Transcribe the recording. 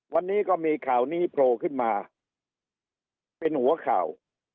วันนี้ก็มีข่าวนี้โผล่ขึ้นมาเป็นหัวข่าว